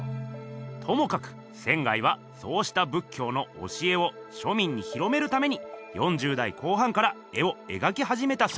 ともかく仙はそうした仏教の教えを庶民に広めるために４０代後半から絵をえがきはじめたそうです。